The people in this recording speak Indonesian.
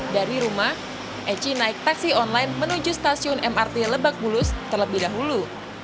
dari rumah eci naik taksi online menuju stasiun mrt lebak bulus terlebih dahulu